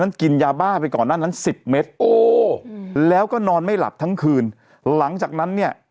กินยาบ้าไปก่อนหน้านั้นสิบเมตรโอ้แล้วก็นอนไม่หลับทั้งคืนหลังจากนั้นเนี่ย